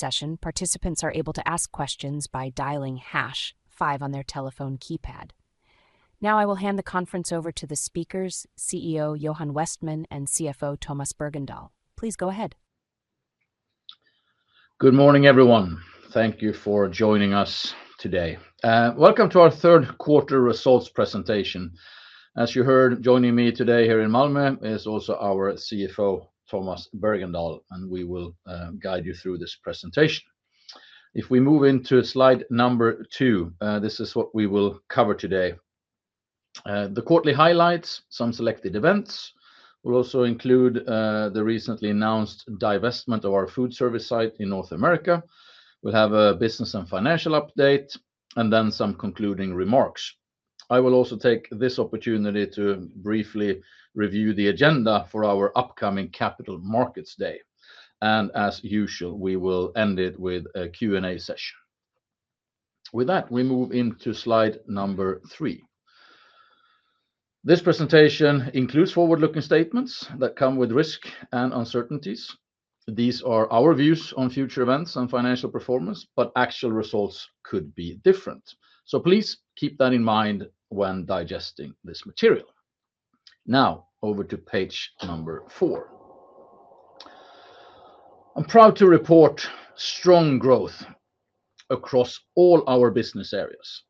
Session, participants are able to ask questions by dialing hash five on their telephone keypad. Now, I will hand the conference over to the speakers, CEO Johan Westman and CFO Thomas Bergendahl. Please go ahead. Good morning, everyone. Thank you for joining us today. Welcome to our third quarter results presentation. As you heard, joining me today here in Malmö is also our CFO, Tomas Bergendahl, and we will guide you through this presentation. If we move into slide number two, this is what we will cover today. The quarterly highlights, some selected events. We'll also include the recently announced divestment of our food service site in North America. We'll have a business and financial update, and then some concluding remarks. I will also take this opportunity to briefly review the agenda for our upcoming Capital Markets Day, and as usual, we will end it with a Q&A session. With that, we move into slide number three. This presentation includes forward-looking statements that come with risk and uncertainties. These are our views on future events and financial performance, but actual results could be different. So please keep that in mind when digesting this material. Now, over to page number four. I'm proud to report strong growth across all our business areas.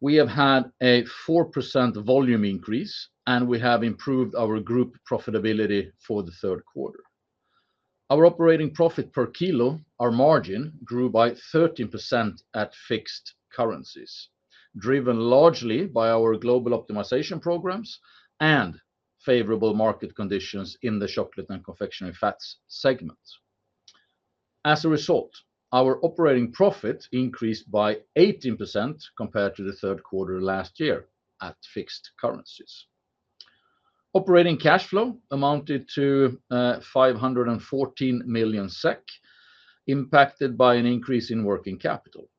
We have had a 4% volume increase, and we have improved our group profitability for the third quarter. Our operating profit per kilo, our margin, grew by 13% at fixed currencies, driven largely by our global optimization programs and favorable market conditions in the chocolate and confectionery fats segments. As a result, our operating profit increased by 18% compared to the third quarter last year at fixed currencies. Operating cash flow amounted to 514 million SEK, impacted by an increase in working capital.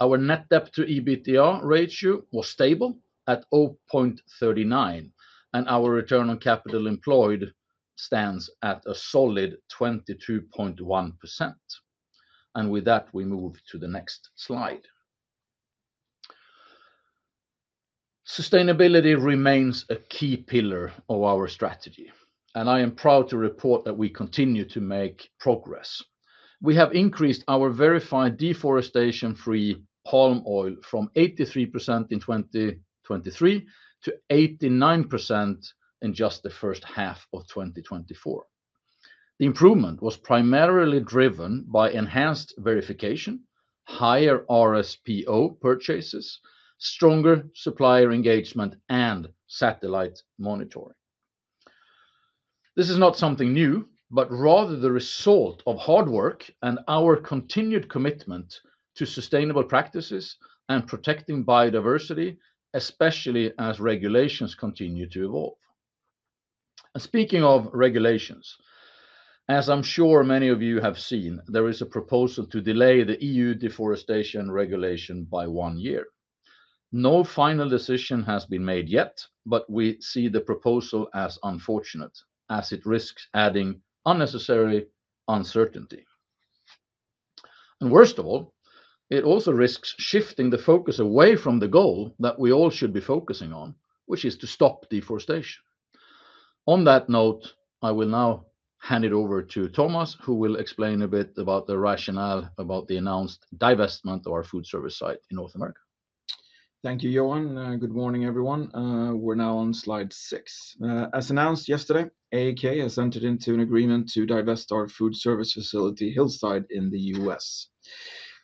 Our net debt to EBITDA ratio was stable at 0.39, and our return on capital employed stands at a solid 22.1%. And with that, we move to the next slide. Sustainability remains a key pillar of our strategy, and I am proud to report that we continue to make progress. We have increased our verified deforestation-free palm oil from 83% in 2023 to 89% in just the first half of 2024. The improvement was primarily driven by enhanced verification, higher RSPO purchases, stronger supplier engagement, and satellite monitoring. This is not something new, but rather the result of hard work and our continued commitment to sustainable practices and protecting biodiversity, especially as regulations continue to evolve. And speaking of regulations, as I'm sure many of you have seen, there is a proposal to delay the EU Deforestation Regulation by one year. No final decision has been made yet, but we see the proposal as unfortunate, as it risks adding unnecessary uncertainty and worst of all, it also risks shifting the focus away from the goal that we all should be focusing on, which is to stop deforestation. On that note, I will now hand it over to Tomas, who will explain a bit about the rationale behind the announced divestment of our food service site in North America. Thank you, Johan, and good morning, everyone. We're now on slide six. As announced yesterday, AAK has entered into an agreement to divest our food service facility, Hillside, in the U.S.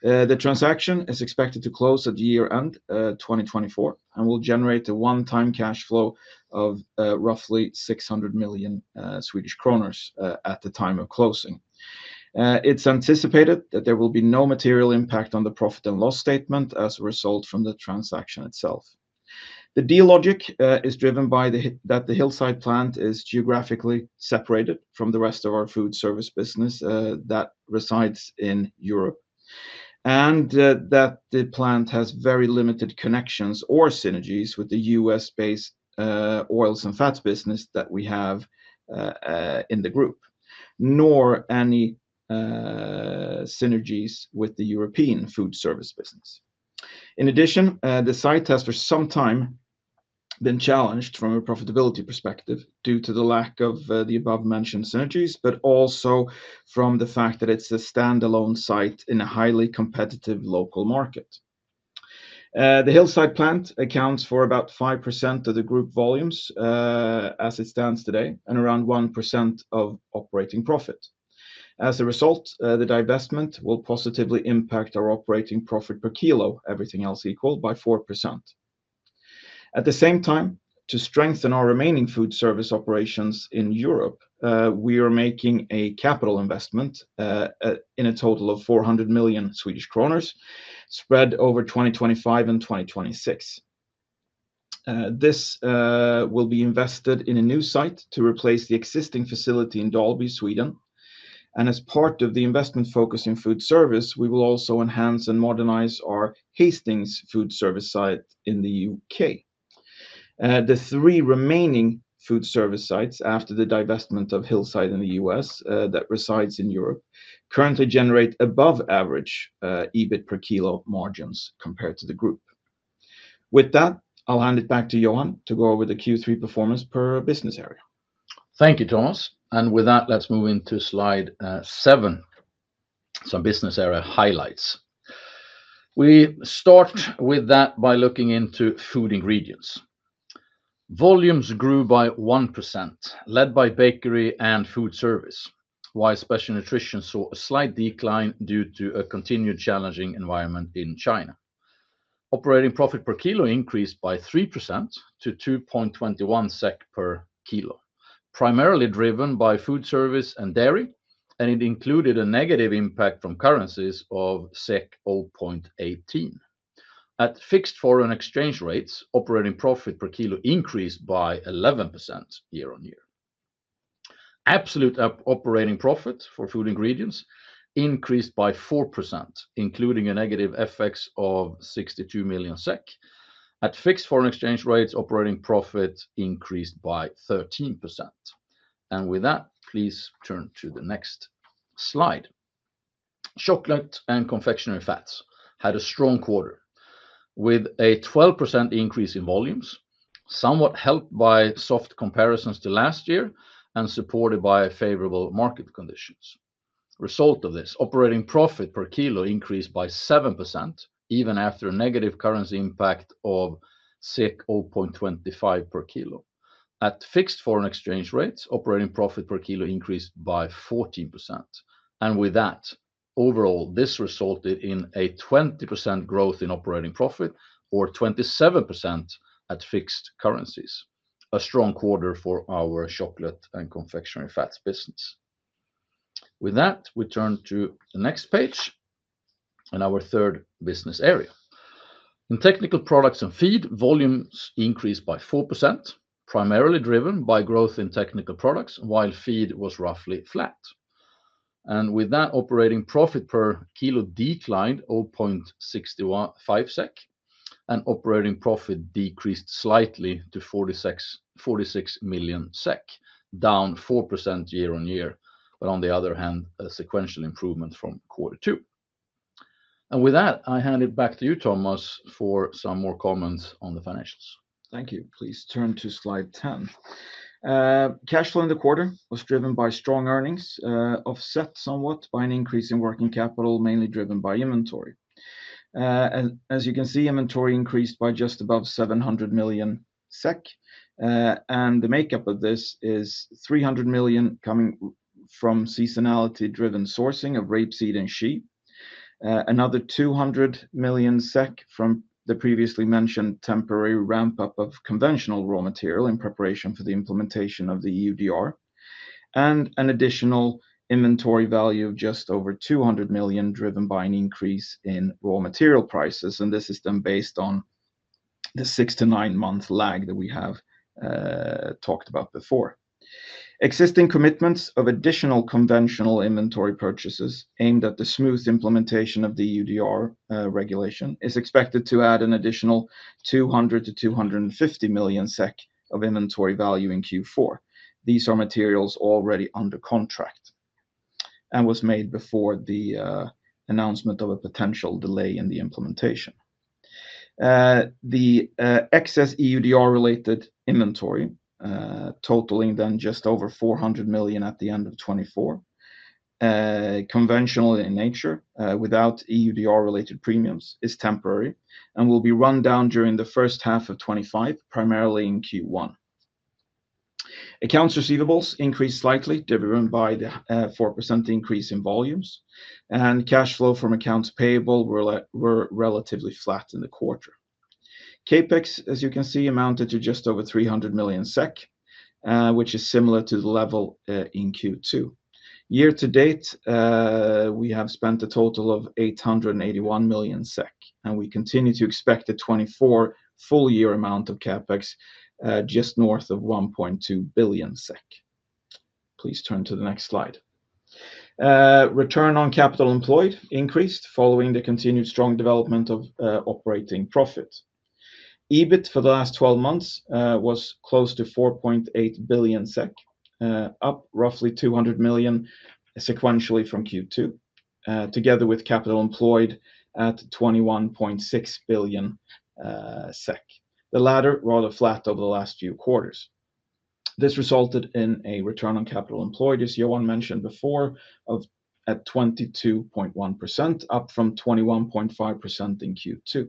The transaction is expected to close at year-end, 2024, and will generate a one-time cash flow of roughly 600 million Swedish kronor at the time of closing. It's anticipated that there will be no material impact on the profit and loss statement as a result from the transaction itself. The deal logic is driven by the fact that the Hillside plant is geographically separated from the rest of our food service business that resides in Europe, and that the plant has very limited connections or synergies with the U.S.-based oils and fats business that we have in the group, nor any synergies with the European food service business. In addition, the site has for some time been challenged from a profitability perspective due to the lack of the above-mentioned synergies, but also from the fact that it's a standalone site in a highly competitive local market. The Hillside plant accounts for about 5% of the group volumes as it stands today, and around 1% of operating profit. As a result, the divestment will positively impact our operating profit per kilo, everything else equal, by 4%. At the same time, to strengthen our remaining food service operations in Europe, we are making a capital investment in a total of 400 million Swedish kronor, spread over 2025 and 2026. This will be invested in a new site to replace the existing facility in Dalby, Sweden, and as part of the investment focus in food service, we will also enhance and modernize our Hastings food service site in the U.K.. The three remaining food service sites after the divestment of Hillside in the U.S. that resides in Europe currently generate above average EBIT per kilo margins compared to the group. With that, I'll hand it back to Johan to go over the Q3 performance per business area. Thank you, Tomas, and with that, let's move into slide seven, some business area highlights. We start with that by looking into Food Ingredients. Volumes grew by 1%, led by bakery and food service, while special nutrition saw a slight decline due to a continued challenging environment in China. Operating profit per kilo increased by 3% to 2.21 SEK per kilo, primarily driven by food service and dairy, and it included a negative impact from currencies of 0.18. At fixed foreign exchange rates, operating profit per kilo increased by 11% year-on-year. Absolute operating profit for Food Ingredients increased by 4%, including a negative FX of 62 million SEK. At fixed foreign exchange rates, operating profit increased by 13%. With that, please turn to the next slide. Chocolate and Confectionery Fats had a strong quarter, with a 12% increase in volumes, somewhat helped by soft comparisons to last year and supported by favorable market conditions. Result of this, operating profit per kilo increased by 7%, even after a negative currency impact of 0.25 per kilo. At fixed foreign exchange rates, operating profit per kilo increased by 14%, and with that, overall, this resulted in a 20% growth in operating profit, or 27% at fixed currencies, a strong quarter for our Chocolate and Confectionery Fats business. With that, we turn to the next page and our third business area. In Technical Products and Feed, volumes increased by 4%, primarily driven by growth in technical products, while feed was roughly flat. With that, operating profit per kilo declined 0.615 SEK, and operating profit decreased slightly to 46 million SEK, down 4% year-on-year, but on the other hand, a sequential improvement from quarter two. With that, I hand it back to you, Tomas, for some more comments on the financials. Thank you. Please turn to slide 10. Cash flow in the quarter was driven by strong earnings, offset somewhat by an increase in working capital, mainly driven by inventory. And as you can see, inventory increased by just above 700 million SEK, and the makeup of this is 300 million coming from seasonality-driven sourcing of rapeseed and shea, another 200 million SEK from the previously mentioned temporary ramp-up of conventional raw material in preparation for the implementation of the EUDR, and an additional inventory value of just over 200 million, driven by an increase in raw material prices, and this is then based on the six to nine-month lag that we have talked about before. Existing commitments of additional conventional inventory purchases aimed at the smooth implementation of the EUDR regulation is expected to add an additional 200 million-250 million SEK of inventory value in Q4. These are materials already under contract and was made before the announcement of a potential delay in the implementation. The excess EUDR-related inventory totaling then just over 400 million at the end of 2024 conventional in nature without EUDR-related premiums is temporary and will be run down during the first half of 2025 primarily in Q1. Accounts receivables increased slightly driven by the 4% increase in volumes and cash flow from accounts payable were were relatively flat in the quarter. CapEx as you can see amounted to just over 300 million SEK which is similar to the level in Q2. Year to date, we have spent a total of 881 million SEK, and we continue to expect the 2024 full year amount of CapEx, just north of 1.2 billion SEK. Please turn to the next slide. Return on capital employed increased following the continued strong development of operating profit. EBIT for the last 12 months was close to 4.8 billion SEK, up roughly 200 million sequentially from Q2, together with capital employed at 21.6 billion SEK. The latter, rather flat over the last few quarters. This resulted in a return on capital employed, as Johan mentioned before, of at 22.1%, up from 21.5% in Q2.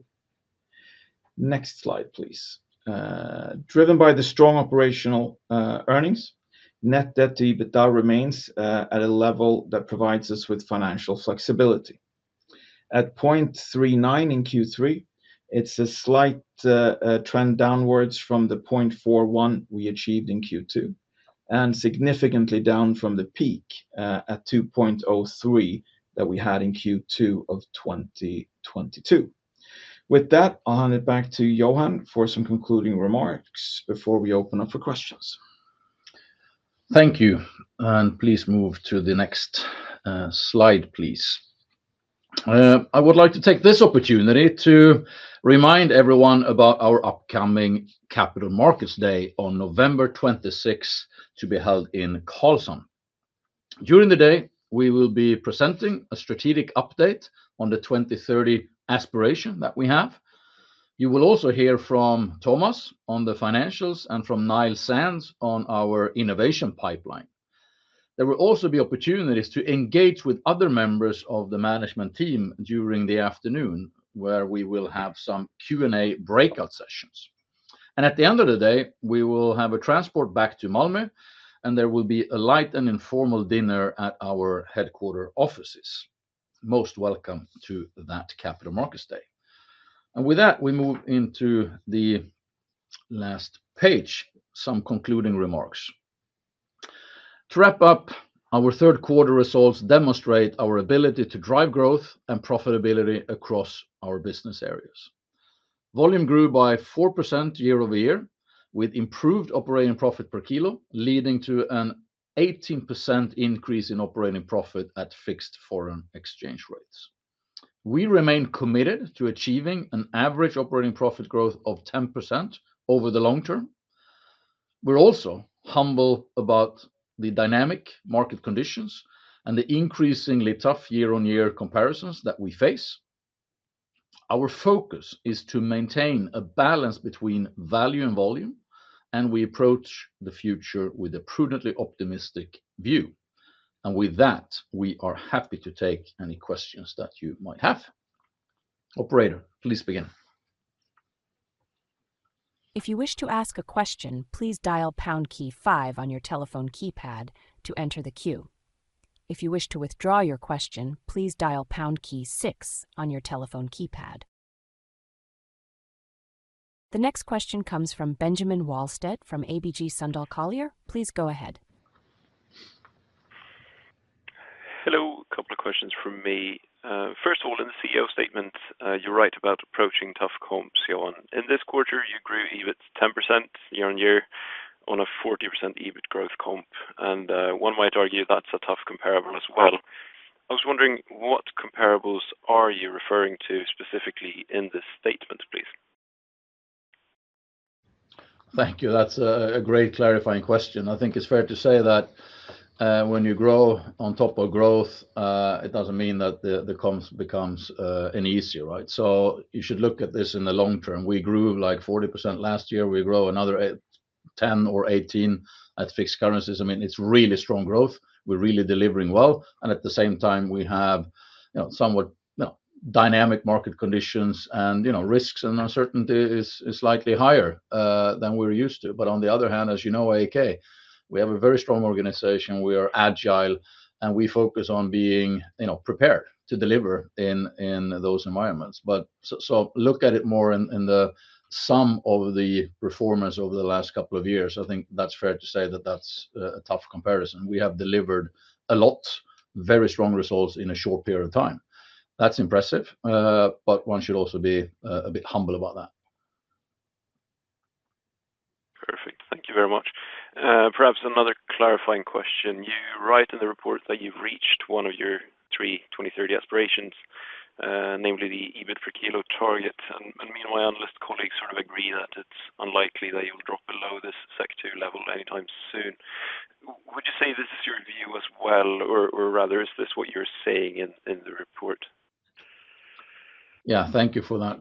Next slide, please. Driven by the strong operational earnings, net debt to EBITDA remains at a level that provides us with financial flexibility. At 0.39 in Q3, it's a slight trend downwards from the 0.41 we achieved in Q2, and significantly down from the peak at 2.03 that we had in Q2 of 2022. With that, I'll hand it back to Johan for some concluding remarks before we open up for questions.... Thank you, and please move to the next, slide, please. I would like to take this opportunity to remind everyone about our upcoming Capital Markets Day on November 26 to be held in Karlshamn. During the day, we will be presenting a strategic update on the 2030 aspiration that we have. You will also hear from Tomas on the financials and from Niall Sands on our innovation pipeline. There will also be opportunities to engage with other members of the management team during the afternoon, where we will have some Q&A breakout sessions. And at the end of the day, we will have a transport back to Malmö, and there will be a light and informal dinner at our headquarters offices. Most welcome to that Capital Markets Day. And with that, we move into the last page, some concluding remarks. To wrap up, our third quarter results demonstrate our ability to drive growth and profitability across our business areas. Volume grew by 4% year-over-year, with improved operating profit per kilo, leading to an 18% increase in operating profit at fixed foreign exchange rates. We remain committed to achieving an average operating profit growth of 10% over the long term. We're also humble about the dynamic market conditions and the increasingly tough year-on-year comparisons that we face. Our focus is to maintain a balance between value and volume, and we approach the future with a prudently optimistic view. And with that, we are happy to take any questions that you might have. Operator, please begin. If you wish to ask a question, please dial pound key five on your telephone keypad to enter the queue. If you wish to withdraw your question, please dial pound key six on your telephone keypad. The next question comes from Benjamin Wahlstedt, from ABG Sundal Collier. Please go ahead. Hello. A couple of questions from me. First of all, in the CEO statement, you write about approaching tough comps, Johan. In this quarter, you grew EBIT 10% year on year on a 40% EBIT growth comp, and one might argue that's a tough comparable as well. I was wondering, what comparables are you referring to specifically in this statement, please? Thank you. That's a great clarifying question. I think it's fair to say that when you grow on top of growth it doesn't mean that the comps becomes any easier, right? So you should look at this in the long term. We grew, like, 40% last year. We grow another 8, 10, or 18 at fixed currencies. I mean, it's really strong growth. We're really delivering well, and at the same time we have, you know, somewhat, you know, dynamic market conditions and, you know, risks, and uncertainty is slightly higher than we're used to. But on the other hand, as you know, AAK, we have a very strong organization. We are agile, and we focus on being, you know, prepared to deliver in those environments. But so look at it more in the sum of the performance over the last couple of years. I think that's fair to say that that's a tough comparison. We have delivered a lot, very strong results in a short period of time. That's impressive, but one should also be a bit humble about that. Perfect. Thank you very much. Perhaps another clarifying question: you write in the report that you've reached one of your three 2030 aspirations, namely the EBIT per kilo target, and me and my analyst colleagues sort of agree that it's unlikely that you'll drop below this sector level anytime soon. Would you say this is your view as well, or rather, is this what you're saying in the report? Yeah, thank you for that.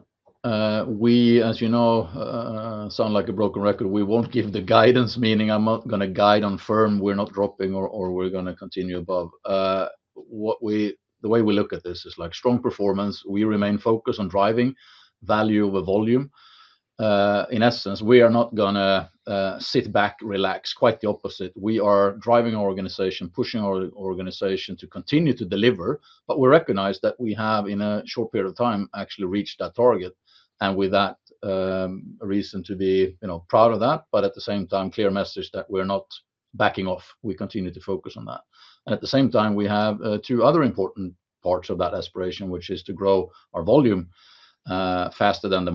We, as you know, sound like a broken record. We won't give the guidance, meaning I'm not gonna guide on firm, we're not dropping, or we're gonna continue above. What we, the way we look at this is, like, strong performance, we remain focused on driving value over volume. In essence, we are not gonna sit back, relax. Quite the opposite. We are driving our organization, pushing our organization to continue to deliver, but we recognize that we have, in a short period of time, actually reached that target, and with that, a reason to be, you know, proud of that, but at the same time, clear message that we're not backing off. We continue to focus on that. And at the same time, we have, two other important parts of that aspiration, which is to grow our volume, faster than the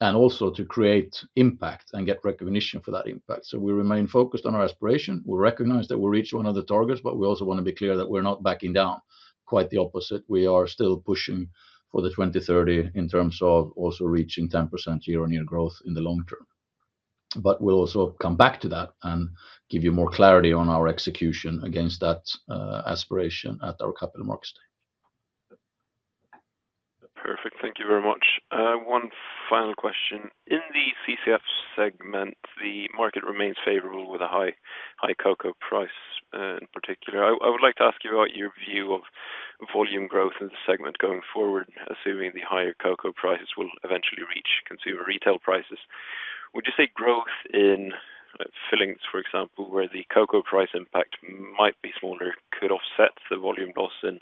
market, and also to create impact and get recognition for that impact. So we remain focused on our aspiration. We recognize that we reached one of the targets, but we also want to be clear that we're not backing down. Quite the opposite. We are still pushing for the 2030 in terms of also reaching 10% year-on-year growth in the long term. But we'll also come back to that and give you more clarity on our execution against that aspiration at our Capital Markets Day. Perfect. Thank you very much. One final question: In the CCF segment, the market remains favorable with a high, high cocoa price, in particular. I would like to ask you about your view of volume growth in the segment going forward, assuming the higher cocoa prices will eventually reach consumer retail prices. Would you say growth in fillings, for example, where the cocoa price impact might be smaller, could offset the volume loss in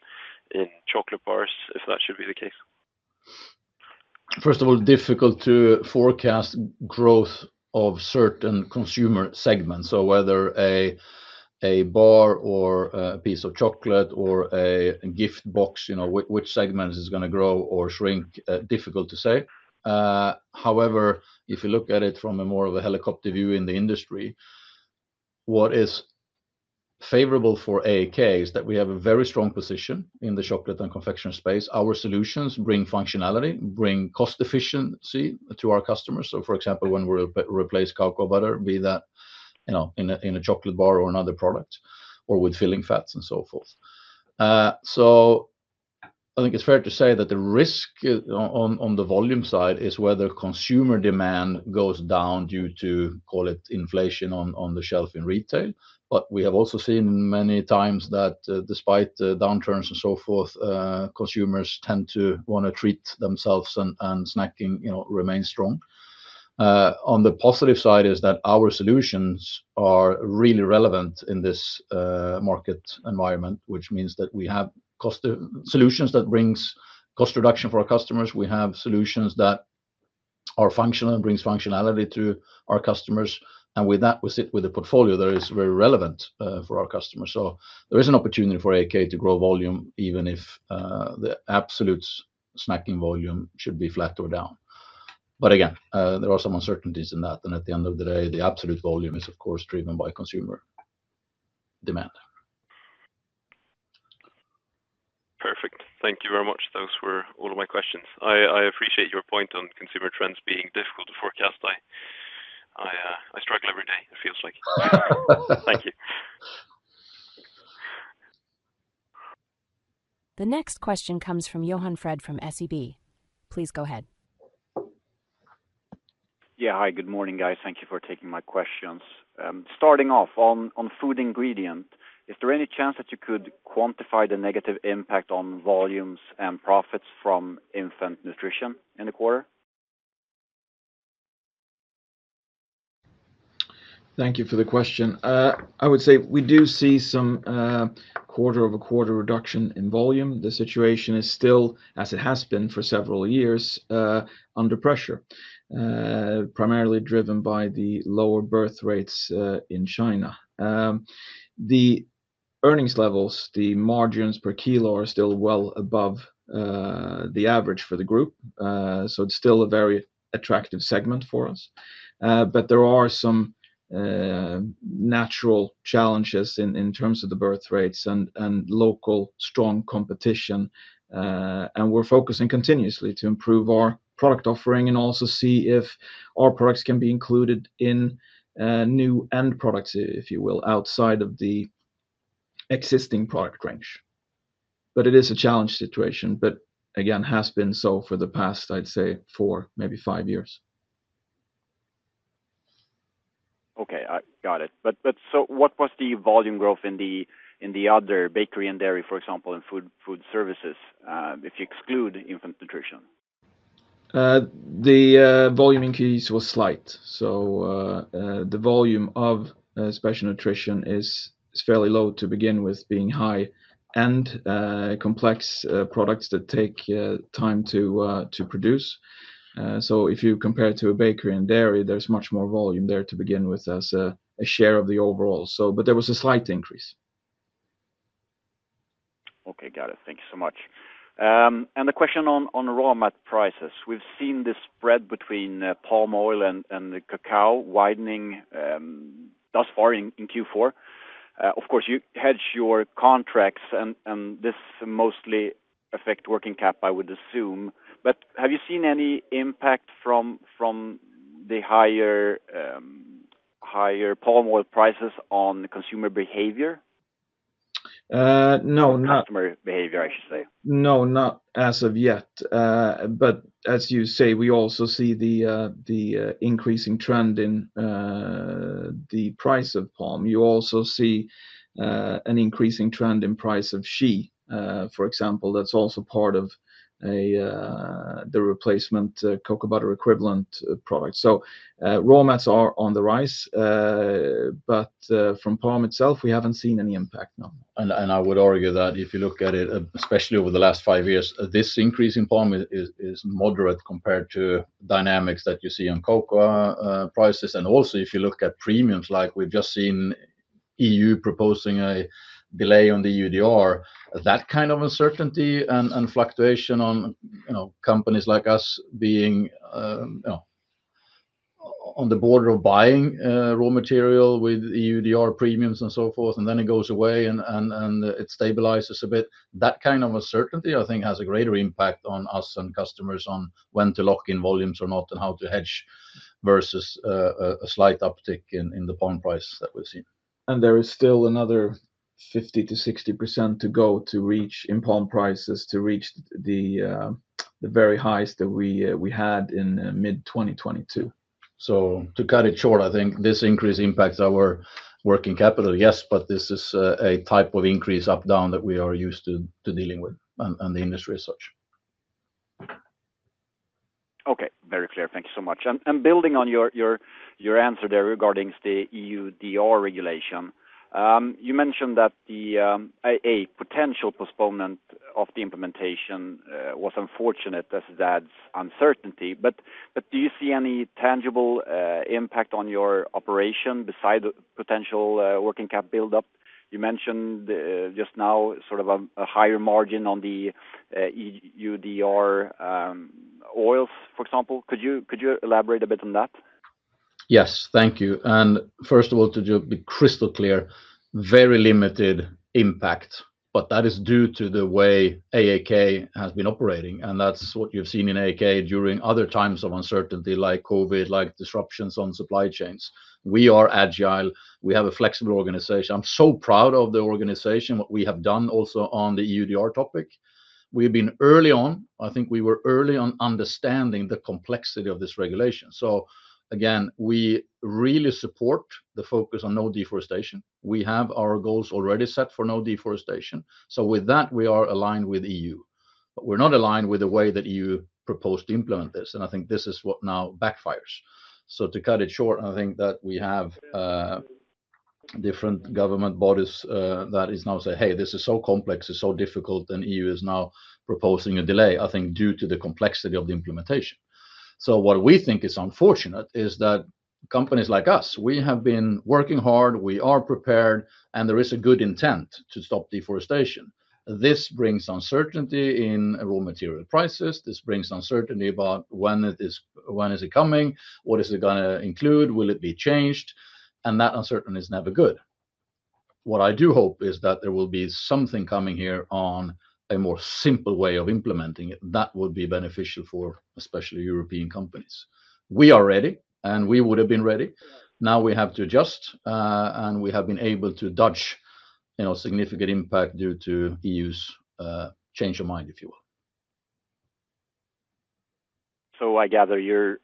chocolate bars, if that should be the case? First of all, difficult to forecast growth of certain consumer segments. So whether a bar or a piece of chocolate or a gift box, you know, which segment is gonna grow or shrink, difficult to say. However, if you look at it from a more of a helicopter view in the industry, what is favorable for AAK is that we have a very strong position in the chocolate and confection space. Our solutions bring functionality, bring cost efficiency to our customers. So for example, when we replace cocoa butter, be that, you know, in a chocolate bar or another product, or with filling fats and so forth. So I think it's fair to say that the risk on the volume side is whether consumer demand goes down due to, call it, inflation on the shelf in retail. But we have also seen many times that, despite the downturns and so forth, consumers tend to wanna treat themselves and snacking, you know, remains strong. On the positive side is that our solutions are really relevant in this market environment, which means that we have cost solutions that brings cost reduction for our customers. We have solutions that are functional and brings functionality to our customers, and with that, we sit with a portfolio that is very relevant for our customers. So there is an opportunity for AAK to grow volume, even if the absolute snacking volume should be flat or down. But again, there are some uncertainties in that, and at the end of the day, the absolute volume is, of course, driven by consumer demand. Perfect. Thank you very much. Those were all of my questions. I appreciate your point on consumer trends being difficult to forecast. I struggle every day, it feels like. Thank you. The next question comes from Johan Fred from SEB. Please go ahead. Yeah, hi, good morning, guys. Thank you for taking my questions. Starting off, on Food Ingredients, is there any chance that you could quantify the negative impact on volumes and profits from infant nutrition in the quarter? Thank you for the question. I would say we do see some quarter-over-quarter reduction in volume. The situation is still, as it has been for several years, under pressure, primarily driven by the lower birth rates in China. The earnings levels, the margins per kilo are still well above the average for the group. So it's still a very attractive segment for us. But there are some natural challenges in terms of the birth rates and local strong competition. And we're focusing continuously to improve our product offering and also see if our products can be included in new end products, if you will, outside of the existing product range. But it is a challenge situation, but again, has been so for the past, I'd say four, maybe five years. Okay, I got it, but so what was the volume growth in the other bakery and dairy, for example, in food service, if you exclude infant nutrition? The volume increase was slight. The volume of special nutrition is fairly low to begin with, being high and complex products that take time to produce. If you compare to a bakery and dairy, there's much more volume there to begin with as a share of the overall. But there was a slight increase. Okay, got it. Thank you so much. And the question on raw mat prices. We've seen this spread between palm oil and the cocoa widening thus far in Q4. Of course, you hedge your contracts, and this mostly affect working cap, I would assume. But have you seen any impact from the higher palm oil prices on consumer behavior? No, not- Customer behavior, I should say. No, not as of yet. But as you say, we also see the increasing trend in the price of palm. You also see an increasing trend in price of shea, for example, that's also part of the replacement cocoa butter equivalent product. So, raw materials are on the rise, but from palm itself, we haven't seen any impact, no. I would argue that if you look at it, especially over the last five years, this increase in palm is moderate compared to dynamics that you see on cocoa prices. And also, if you look at premiums, like we've just seen EU proposing a delay on the EUDR, that kind of uncertainty and fluctuation on, you know, companies like us being, you know, on the border of buying raw material with EUDR premiums and so forth, and then it goes away and it stabilizes a bit. That kind of uncertainty, I think, has a greater impact on us and customers on when to lock in volumes or not and how to hedge, versus a slight uptick in the palm prices that we've seen. There is still another 50%-60% to go to reach the highs in palm prices, the very highs that we had in mid-2022. So to cut it short, I think this increase impacts our working capital, yes, but this is a type of increase up/down that we are used to dealing with on the industry as such. Okay, very clear. Thank you so much. And building on your answer there regarding the EUDR regulation, you mentioned that a potential postponement of the implementation was unfortunate as that's uncertainty. But do you see any tangible impact on your operation beside the potential working cap build-up? You mentioned just now sort of a higher margin on the EUDR oils, for example. Could you elaborate a bit on that? Yes, thank you, and first of all, to just be crystal clear, very limited impact, but that is due to the way AAK has been operating, and that's what you've seen in AAK during other times of uncertainty, like COVID, like disruptions on supply chains. We are agile. We have a flexible organization. I'm so proud of the organization, what we have done also on the EUDR topic. We've been early on. I think we were early on understanding the complexity of this regulation. So again, we really support the focus on no deforestation. We have our goals already set for no deforestation. So with that, we are aligned with EU, but we're not aligned with the way that EU proposed to implement this, and I think this is what now backfires. So to cut it short, I think that we have different government bodies that are now saying, "Hey, this is so complex, it's so difficult," and EU is now proposing a delay, I think, due to the complexity of the implementation. So what we think is unfortunate is that companies like us, we have been working hard, we are prepared, and there is a good intent to stop deforestation. This brings uncertainty in raw material prices. This brings uncertainty about when it is... when is it coming? What is it gonna include? Will it be changed? And that uncertainty is never good. What I do hope is that there will be something coming here on a more simple way of implementing it. That would be beneficial for, especially European companies. We are ready, and we would have been ready. Now we have to adjust, and we have been able to dodge, you know, significant impact due to EU's change of mind, if you will. I gather you're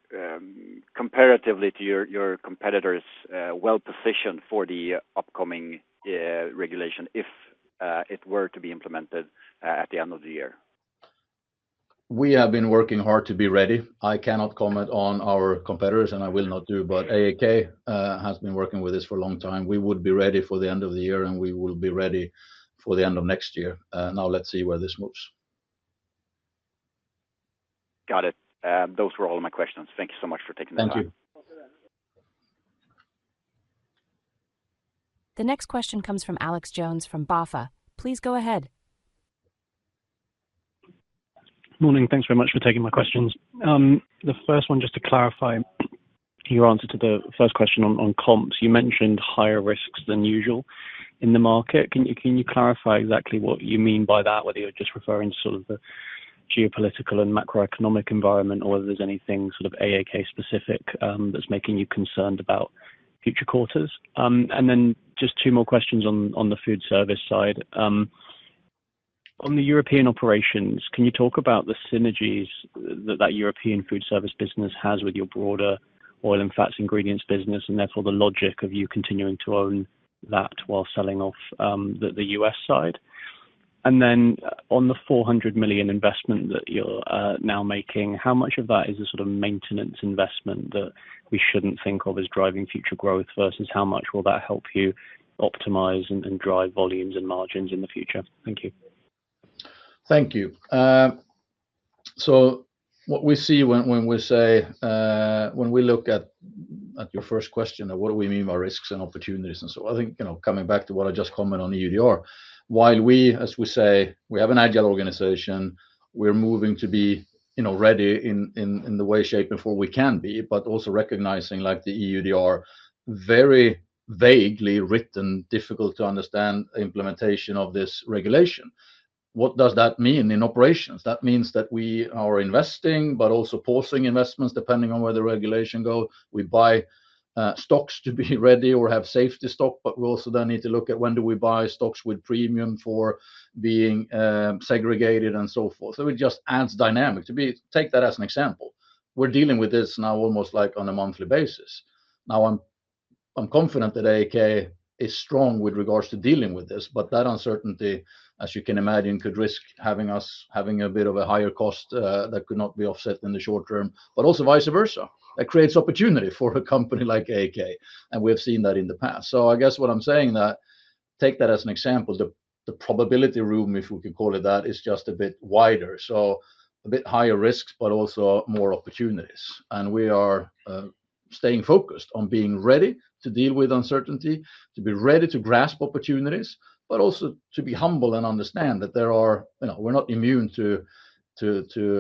comparatively to your competitors well-positioned for the upcoming regulation if it were to be implemented at the end of the year? We have been working hard to be ready. I cannot comment on our competitors, and I will not do, but AAK has been working with this for a long time. We would be ready for the end of the year, and we will be ready for the end of next year. Now, let's see where this moves. Got it. Those were all my questions. Thank you so much for taking the time. Thank you. The next question comes from Alex Jones from BofA. Please go ahead. Morning. Thanks very much for taking my questions. The first one, just to clarify your answer to the first question on comps, you mentioned higher risks than usual in the market. Can you clarify exactly what you mean by that? Whether you're just referring to sort of the geopolitical and macroeconomic environment, or whether there's anything sort of AAK-specific that's making you concerned about future quarters? And then just two more questions on the food service side. On the European operations, can you talk about the synergies that that European food service business has with your broader oil and fats ingredients business, and therefore the logic of you continuing to own that while selling off the U.S. side? And then on the 400 million investment that you're now making, how much of that is a sort of maintenance investment that we shouldn't think of as driving future growth, versus how much will that help you optimize and drive volumes and margins in the future? Thank you. Thank you. So what we see when we say when we look at your first question, what do we mean by risks and opportunities? And so I think, you know, coming back to what I just commented on the EUDR, while we, as we say, we have an agile organization, we're moving to be, you know, ready in the way, shape, and form we can be, but also recognizing, like the EUDR, very vaguely written, difficult to understand implementation of this regulation. What does that mean in operations? That means that we are investing but also pausing investments depending on where the regulation go. We buy stocks to be ready or have safety stock, but we also then need to look at when do we buy stocks with premium for being segregated, and so forth. So it just adds dynamic. Take that as an example. We're dealing with this now almost like on a monthly basis. Now, I'm confident that AAK is strong with regards to dealing with this, but that uncertainty, as you can imagine, could risk having us having a bit of a higher cost that could not be offset in the short term, but also vice versa. That creates opportunity for a company like AAK, and we have seen that in the past. So I guess what I'm saying that, take that as an example, the probability room, if we can call it that, is just a bit wider. So a bit higher risks, but also more opportunities. We are staying focused on being ready to deal with uncertainty, to be ready to grasp opportunities, but also to be humble and understand that there are... You know, we're not immune to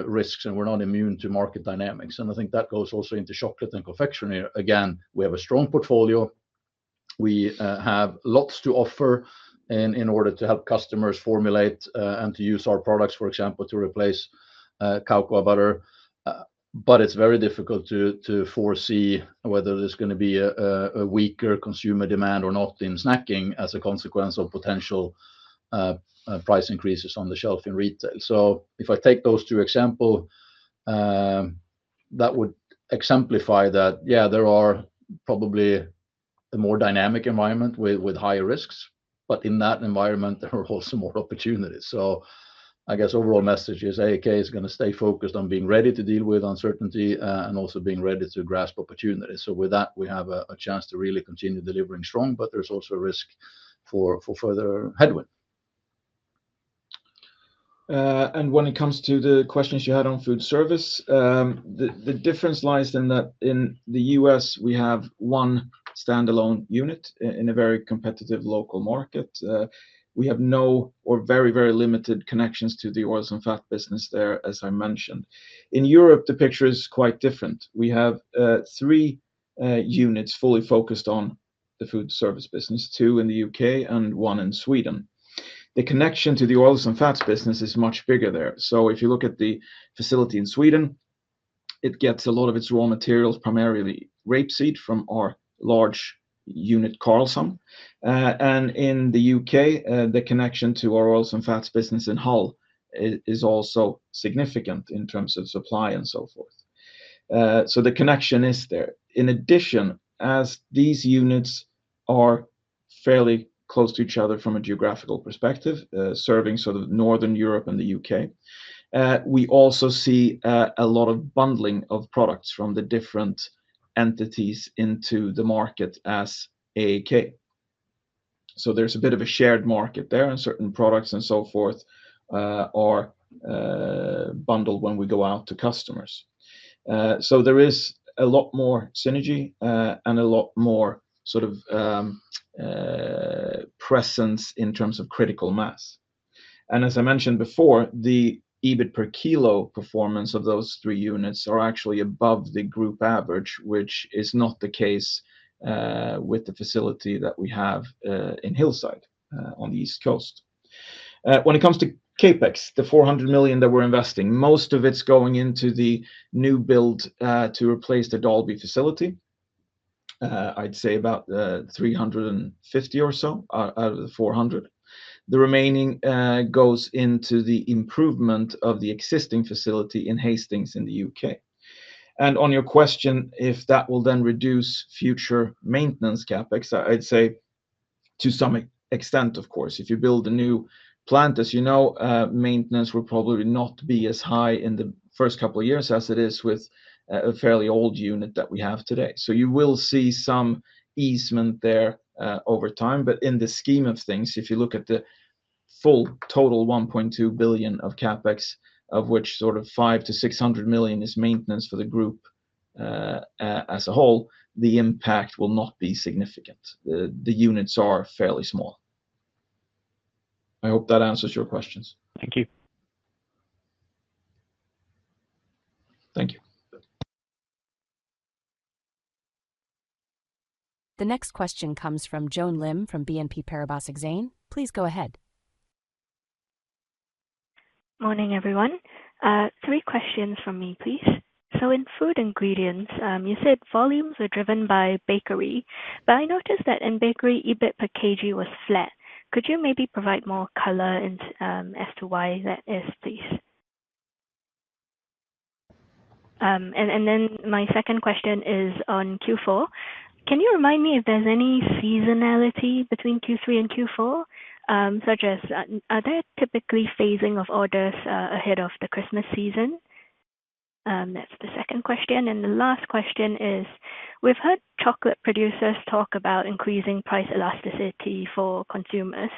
risks, and we're not immune to market dynamics, and I think that goes also into chocolate and confectionery. Again, we have a strong portfolio. We have lots to offer in order to help customers formulate and to use our products, for example, to replace cocoa butter. But it's very difficult to foresee whether there's gonna be a weaker consumer demand or not in snacking as a consequence of potential price increases on the shelf in retail. So if I take those two example, that would exemplify that, yeah, there are probably a more dynamic environment with higher risks, but in that environment, there are also more opportunities. So I guess overall message is AAK is gonna stay focused on being ready to deal with uncertainty, and also being ready to grasp opportunities. So with that, we have a chance to really continue delivering strong, but there's also a risk for further headwinds.... and when it comes to the questions you had on food service, the difference lies in that in the U.S., we have one standalone unit in a very competitive local market. We have no, or very, very limited connections to the oils and fats business there, as I mentioned. In Europe, the picture is quite different. We have three units fully focused on the food service business, two in the U.K. and one in Sweden. The connection to the oils and fats business is much bigger there. So if you look at the facility in Sweden, it gets a lot of its raw materials, primarily rapeseed, from our large unit, Karlshamn. And in the U.K., the connection to our oils and fats business in Hull is also significant in terms of supply and so forth. So the connection is there. In addition, as these units are fairly close to each other from a geographical perspective, serving sort of Northern Europe and the U.K., we also see a lot of bundling of products from the different entities into the market as AAK. So there's a bit of a shared market there, and certain products and so forth are bundled when we go out to customers. So there is a lot more synergy and a lot more sort of presence in terms of critical mass. And as I mentioned before, the EBIT per kilo performance of those three units are actually above the group average, which is not the case with the facility that we have in Hillside on the East Coast. When it comes to CapEx, the 400 million that we're investing, most of it's going into the new build to replace the Dalby facility. I'd say about 350 or so out of the 400. The remaining goes into the improvement of the existing facility in Hastings, in the U.K. And on your question, if that will then reduce future maintenance CapEx, I'd say to some extent, of course. If you build a new plant, as you know, maintenance will probably not be as high in the first couple of years as it is with a fairly old unit that we have today. So you will see some easement there over time. But in the scheme of things, if you look at the full total 1.2 billion of CapEx, of which sort of 500 million-600 million is maintenance for the group, as a whole, the impact will not be significant. The units are fairly small. I hope that answers your questions. Thank you. Thank you. The next question comes Joan Lim, from BNP Paribas Exane. Please go ahead. Morning, everyone. Three questions from me, please. So in food ingredients, you said volumes were driven by bakery, but I noticed that in bakery, EBIT per kg was flat. Could you maybe provide more color in, as to why that is, please? And then my second question is on Q4. Can you remind me if there's any seasonality between Q3 and Q4? Such as, are there typically phasing of orders, ahead of the Christmas season? That's the second question. And the last question is: we've heard chocolate producers talk about increasing price elasticity for consumers.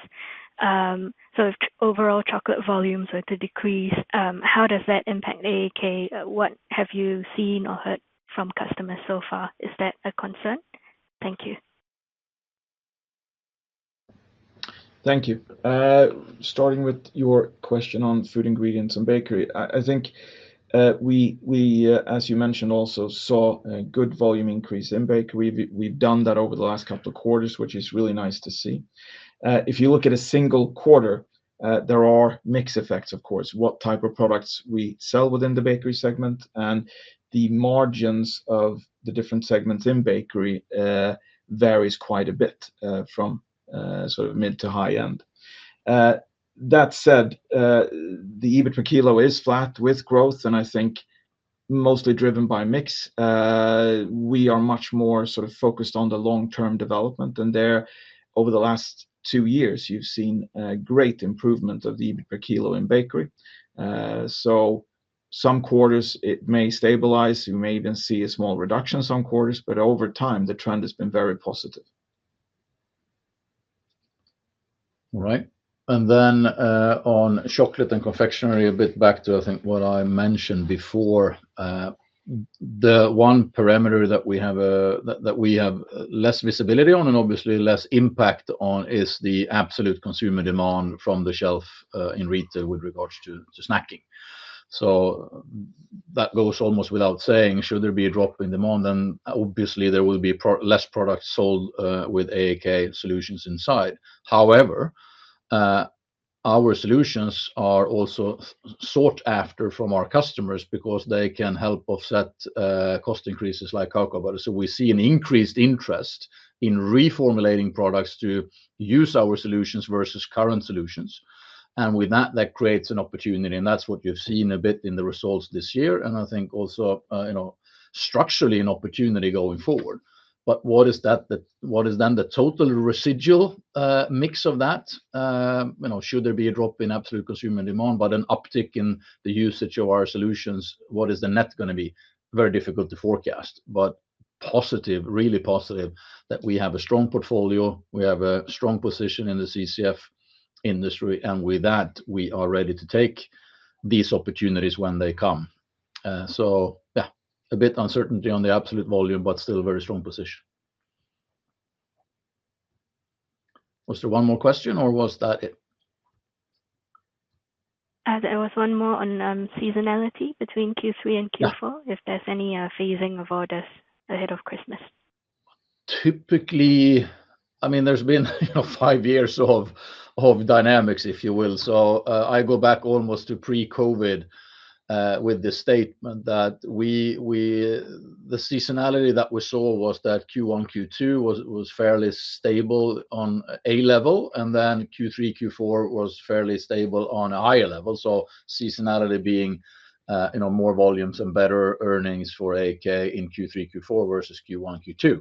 So if overall chocolate volumes were to decrease, how does that impact AAK? What have you seen or heard from customers so far? Is that a concern? Thank you. Thank you. Starting with your question on food ingredients and bakery. I think, as you mentioned, we also saw a good volume increase in bakery. We've done that over the last couple of quarters, which is really nice to see. If you look at a single quarter, there are mix effects, of course. What type of products we sell within the bakery segment, and the margins of the different segments in bakery, varies quite a bit, from sort of mid to high end. That said, the EBIT per kilo is flat with growth, and I think mostly driven by mix. We are much more sort of focused on the long-term development than there. Over the last two years, you've seen a great improvement of the EBIT per kilo in bakery. So some quarters it may stabilize. You may even see a small reduction some quarters, but over time, the trend has been very positive. All right and then, on chocolate and confectionery, a bit back to, I think, what I mentioned before. The one parameter that we have that we have less visibility on and obviously less impact on is the absolute consumer demand from the shelf in retail with regards to snacking. So that goes almost without saying. Should there be a drop in demand, then obviously there will be proportionally less products sold with AAK solutions inside. However, our solutions are also sought after from our customers because they can help offset cost increases like cocoa butter. So we see an increased interest in reformulating products to use our solutions versus current solutions, and with that, that creates an opportunity, and that's what you've seen a bit in the results this year, and I think also, you know, structurally an opportunity going forward. But what is that, what is then the total residual mix of that? You know, should there be a drop in absolute consumer demand, but an uptick in the usage of our solutions, what is the net gonna be? Very difficult to forecast, but positive, really positive that we have a strong portfolio, we have a strong position in the CCF industry, and with that, we are ready to take these opportunities when they come. So yeah, a bit uncertainty on the absolute volume, but still a very strong position. Was there one more question, or was that it? There was one more on seasonality between Q3 and Q4- Yeah. If there's any phasing of orders ahead of Christmas? Typically, I mean, there's been, you know, five years of dynamics, if you will. So, I go back almost to pre-COVID with the statement that we, the seasonality that we saw was that Q1, Q2 was fairly stable on a level, and then Q3, Q4 was fairly stable on a higher level. So seasonality being, you know, more volumes and better earnings for AAK in Q3, Q4 versus Q1, Q2.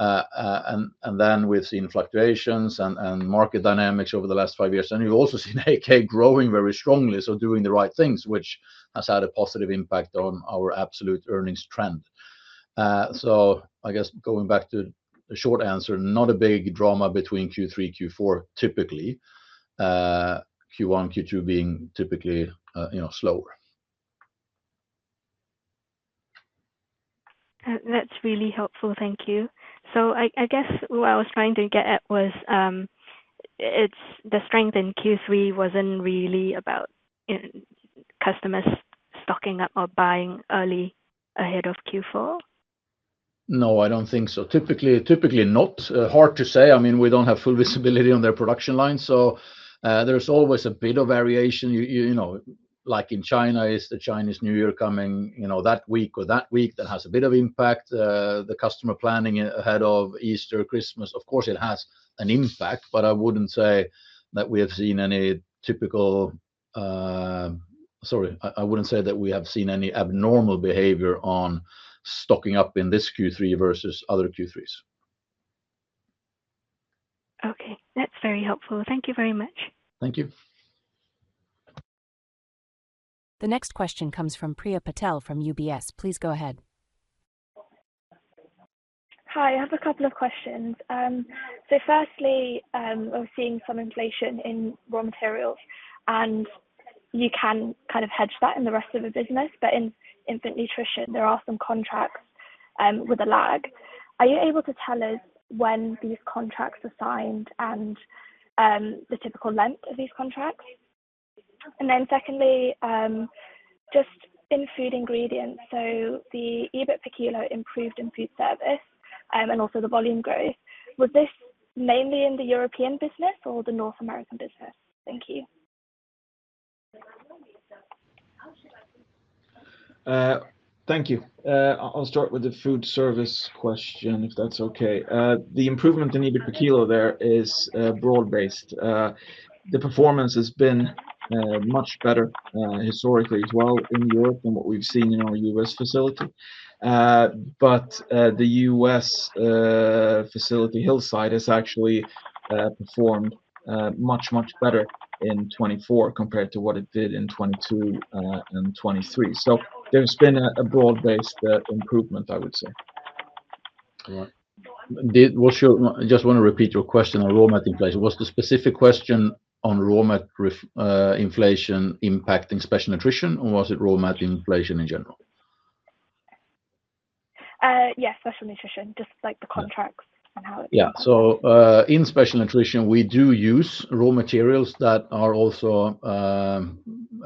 And then we've seen fluctuations and market dynamics over the last five years, and you've also seen AAK growing very strongly, so doing the right things, which has had a positive impact on our absolute earnings trend. So I guess going back to the short answer, not a big drama between Q3, Q4, typically. Q1, Q2 being typically, you know, slower. That's really helpful. Thank you. So I, I guess what I was trying to get at was, it's the strength in Q3 wasn't really about, in customers stocking up or buying early ahead of Q4? No, I don't think so. Typically, typically not. Hard to say. I mean, we don't have full visibility on their production line, so, there's always a bit of variation. You know, like in China, is the Chinese New Year coming, you know, that week or that week? That has a bit of impact. The customer planning ahead of Easter, Christmas, of course, it has an impact, but I wouldn't say that we have seen any typical... I wouldn't say that we have seen any abnormal behavior on stocking up in this Q3 versus other Q3s. Okay. That's very helpful. Thank you very much. Thank you. The next question comes from Priya Patel from UBS. Please go ahead. Hi, I have a couple of questions. So firstly, we're seeing some inflation in raw materials, and you can kind of hedge that in the rest of the business, but in infant nutrition, there are some contracts with a lag. Are you able to tell us when these contracts are signed and the typical length of these contracts? And then secondly, just in food ingredients, so the EBIT per kilo improved in food service, and also the volume growth. Was this mainly in the European business or the North American business? Thank you. Thank you. I'll start with the food service question, if that's okay. The improvement in EBIT per kilo there is broad-based. The performance has been much better historically as well in Europe than what we've seen in our U.S. facility. But the U.S. facility, Hillside, has actually performed much, much better in 2024 compared to what it did in 2022 and 2023. So there's been a broad-based improvement, I would say. I just want to repeat your question on raw material inflation. Was the specific question on raw material inflation impacting special nutrition, or was it raw material inflation in general? Yes, Special Nutrition, just like the contracts and how it- Yeah. So, in special nutrition, we do use raw materials that are also,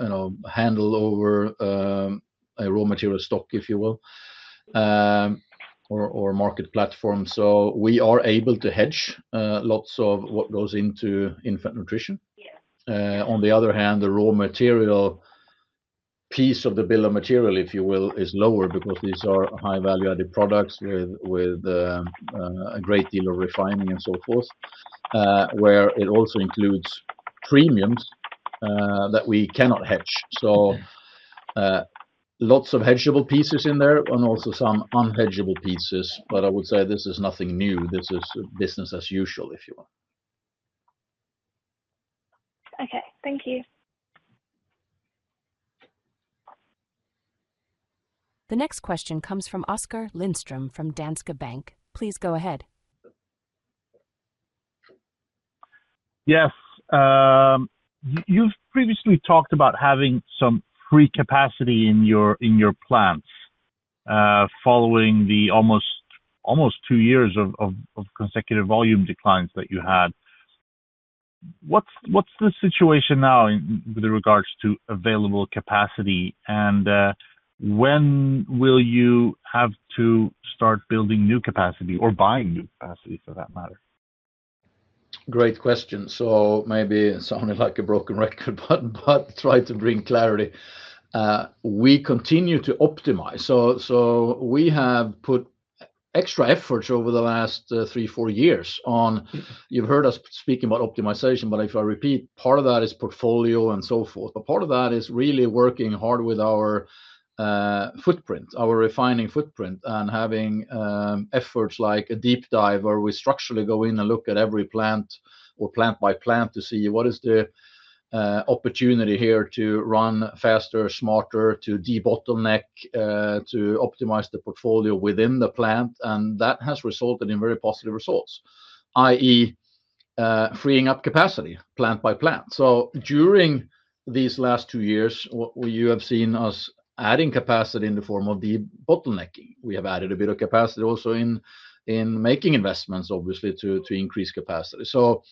you know, handled over a raw material stock, if you will, or market platform. So we are able to hedge lots of what goes into infant nutrition. Yeah. On the other hand, the raw material piece of the bill of material, if you will, is lower because these are high value-added products with a great deal of refining and so forth, where it also includes premiums that we cannot hedge. So, lots of hedgeable pieces in there and also some unhedgeable pieces, but I would say this is nothing new. This is business as usual, if you want. Okay. Thank you. The next question comes from Oskar Lindström, from Danske Bank. Please go ahead. Yes, you've previously talked about having some free capacity in your plants following the almost two years of consecutive volume declines that you had. What's the situation now with regards to available capacity? And, when will you have to start building new capacity or buying new capacity, for that matter? Great question. So maybe it sounded like a broken record, but, but try to bring clarity. We continue to optimize. So, so we have put extra efforts over the last three, four years on... You've heard us speaking about optimization, but if I repeat, part of that is portfolio and so forth. But part of that is really working hard with our footprint, our refining footprint, and having efforts like a deep dive, where we structurally go in and look at every plant or plant by plant to see what is the opportunity here to run faster, smarter, to debottleneck, to optimize the portfolio within the plant, and that has resulted in very positive results, i.e., freeing up capacity plant by plant. So during these last two years, what, where you have seen us adding capacity in the form of debottlenecking. We have added a bit of capacity also in making investments, obviously, to increase capacity. So,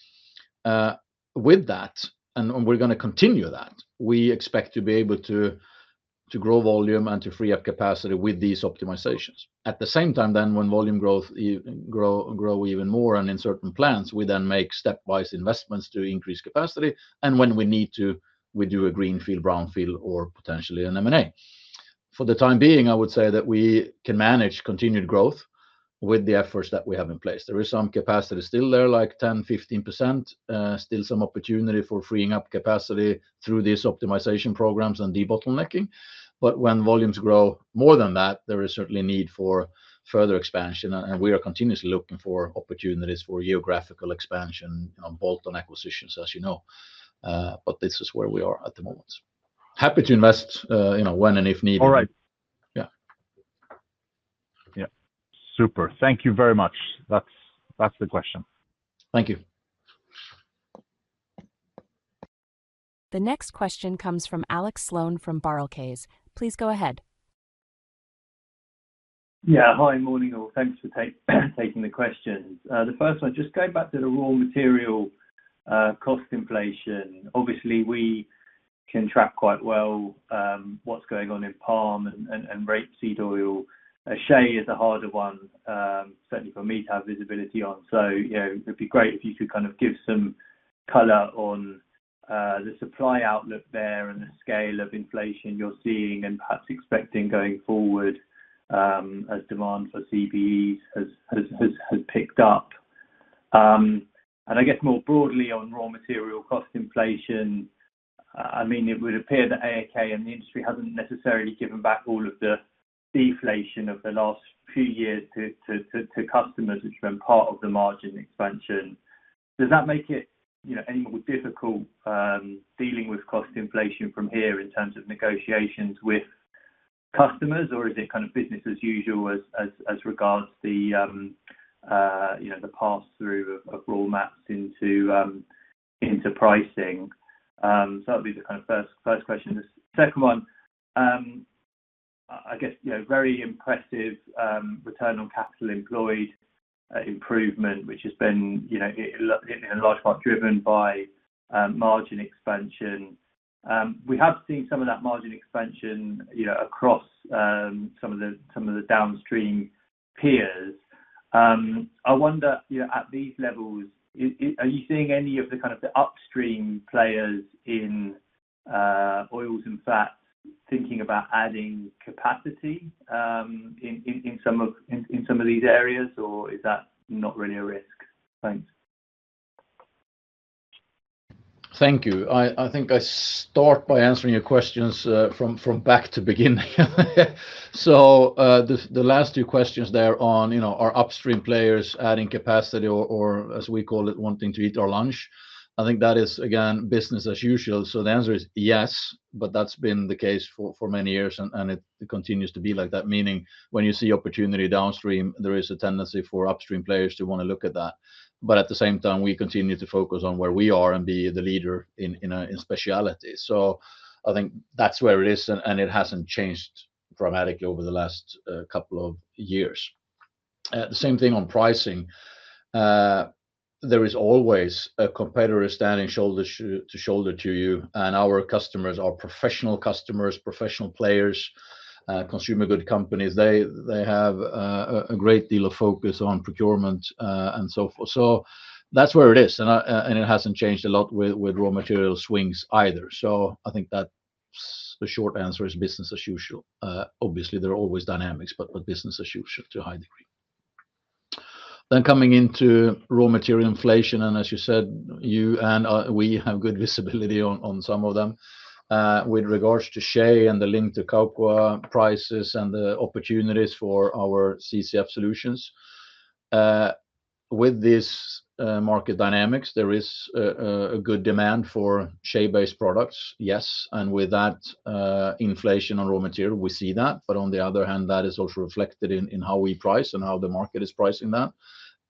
with that, and we're gonna continue that, we expect to be able to grow volume and to free up capacity with these optimizations. At the same time then, when volume growth grow even more and in certain plants, we then make stepwise investments to increase capacity, and when we need to, we do a greenfield, brownfield, or potentially an M&A. For the time being, I would say that we can manage continued growth with the efforts that we have in place. There is some capacity still there, like 10, 15%, still some opportunity for freeing up capacity through these optimization programs and debottlenecking. But when volumes grow more than that, there is certainly a need for further expansion, and we are continuously looking for opportunities for geographical expansion on bolt-on acquisitions, as you know, but this is where we are at the moment. Happy to invest, you know, when and if needed. All right. Yeah. Yeah. Super. Thank you very much. That's the question. Thank you. The next question comes from Alex Sloane from Barclays. Please go ahead. Yeah, hi, morning, all. Thanks for taking the questions. The first one, just going back to the raw material cost inflation. Obviously, we can track quite well what's going on in palm and rapeseed oil. Shea is a harder one, certainly for me to have visibility on. So, you know, it'd be great if you could kind of give some color on the supply outlook there and the scale of inflation you're seeing, and perhaps expecting going forward, as demand for CBEs has picked up. And I guess more broadly on raw material cost inflation, I mean, it would appear that AAK and the industry hasn't necessarily given back all of the deflation of the last few years to customers, which have been part of the margin expansion. Does that make it, you know, any more difficult dealing with cost inflation from here in terms of negotiations with customers, or is it kind of business as usual as regards the, you know, the pass-through of raw materials into pricing? So that'd be the kind of first question. The second one, I guess, you know, very impressive return on capital employed improvement, which has been, you know, in large part driven by margin expansion. We have seen some of that margin expansion, you know, across some of the downstream peers. I wonder, you know, at these levels, are you seeing any of the kind of upstream players in oils and fats thinking about adding capacity in some of these areas, or is that not really a risk? Thanks. Thank you. I think I start by answering your questions from back to beginning. So, the last two questions there on, you know, are upstream players adding capacity or as we call it, wanting to eat our lunch? I think that is, again, business as usual. So the answer is yes, but that's been the case for many years, and it continues to be like that, meaning when you see opportunity downstream, there is a tendency for upstream players to wanna look at that. But at the same time, we continue to focus on where we are and be the leader in specialty. So I think that's where it is, and it hasn't changed dramatically over the last couple of years. The same thing on pricing. There is always a competitor standing shoulder to shoulder to you, and our customers are professional customers, professional players, consumer good companies. They have a great deal of focus on procurement and so forth. So that's where it is, and it hasn't changed a lot with raw material swings either. So I think that's the short answer is business as usual. Obviously, there are always dynamics, but with business as usual to a high degree. Then coming into raw material inflation, and as you said, you and I, we have good visibility on some of them. With regards to shea and the link to cocoa prices and the opportunities for our CCF solutions, with this market dynamics, there is a good demand for shea-based products, yes, and with that, inflation on raw material, we see that, but on the other hand, that is also reflected in how we price and how the market is pricing that.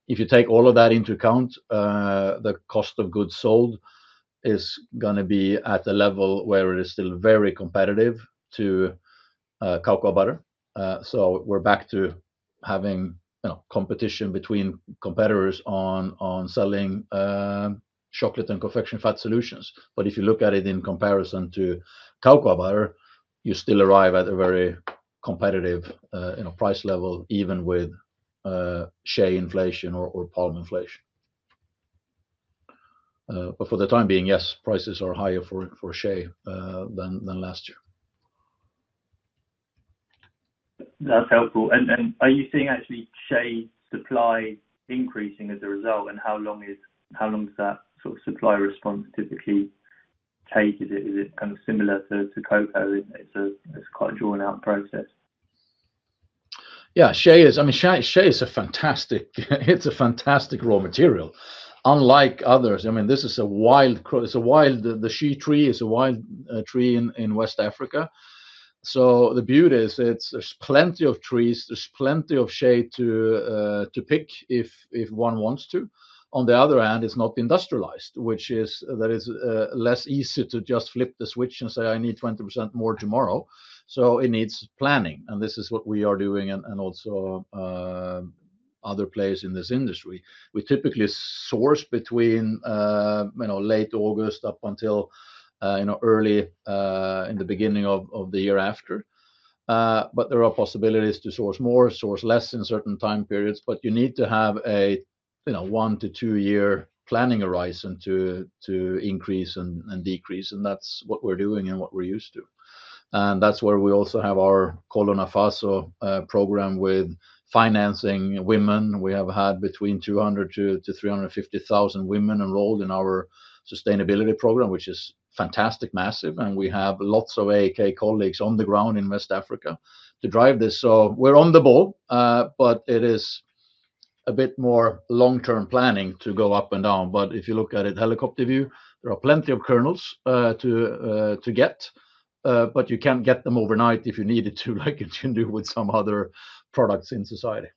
If you take all of that into account, the cost of goods sold is gonna be at a level where it is still very competitive to cocoa butter, so we're back to having, you know, competition between competitors on selling chocolate and confectionery fat solutions, but if you look at it in comparison to cocoa butter, you still arrive at a very competitive, you know, price level, even with shea inflation or palm inflation. But for the time being, yes, prices are higher for shea than last year. That's helpful. And, and are you seeing actually shea supply increasing as a result, and how long is... how long does that sort of supply response typically take? Is it, is it kind of similar to, to cocoa? It's a, it's quite a drawn-out process. Yeah, shea is. I mean, shea is a fantastic. It's a fantastic raw material, unlike others. I mean, this is a wild. It's a wild. The shea tree is a wild tree in West Africa. So the beauty is. It's, there's plenty of trees, there's plenty of shea to pick, if one wants to. On the other hand, it's not industrialized, which is, that is, less easy to just flip the switch and say, "I need 20% more tomorrow." So it needs planning, and this is what we are doing and also other players in this industry. We typically source between, you know, late August up until, you know, early in the beginning of the year after. But there are possibilities to source more, source less in certain time periods, but you need to have a, you know, one- to two-year planning horizon to increase and decrease, and that's what we're doing and what we're used to. And that's where we also have our Kolo Nafaso program with financing women. We have had between 200 to 350,000 women enrolled in our sustainability program, which is fantastic, massive, and we have lots of AAK colleagues on the ground in West Africa to drive this. So we're on the ball, but it is a bit more long-term planning to go up and down. But if you look at it helicopter view, there are plenty of kernels to get, but you can't get them overnight if you need it to, like you can do with some other products in society.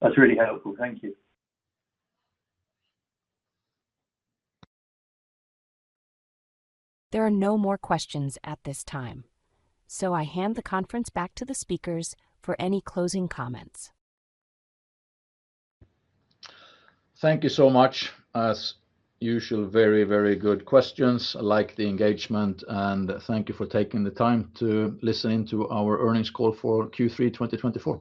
That's really helpful. Thank you. There are no more questions at this time, so I hand the conference back to the speakers for any closing comments. Thank you so much. As usual, very, very good questions. I like the engagement, and thank you for taking the time to listen to our earnings call for Q3 2024.